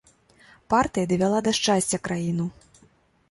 Партыя давяла да шчасця краіну.